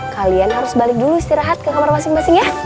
kalian harus balik dulu istirahat ke kamar masing masing ya